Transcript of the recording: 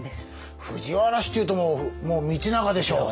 藤原氏っていうともうもう道長でしょう。